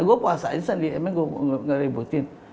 gue puasa aja emang gue ngeributin